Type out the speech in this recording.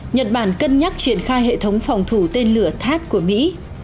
nhật bản cân nhắc triển khai hệ thống phòng thủ tên lửa tháp của mỹ